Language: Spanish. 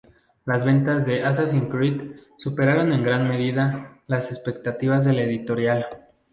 Las ventas de "Assassin's Creed" "superaron en gran medida" las expectativas de la editorial.